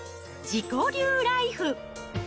自己流ライフ。